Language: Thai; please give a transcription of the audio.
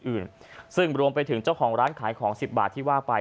อื่นซึ่งรวมไปถึงเจ้าของร้านขายของสิบบาทที่ว่าไป